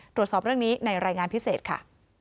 ตรวจสอบเรื่องนี้ในรายงานพิเศษค่ะ